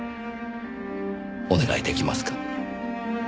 お願い出来ますか？